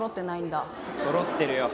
そろってるよ。